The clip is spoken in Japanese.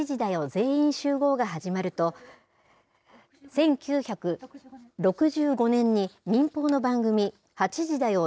全員集合が始まると、１９６５年に民放の番組、８時だョ！